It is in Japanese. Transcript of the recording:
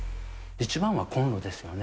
一番はコンロですよね。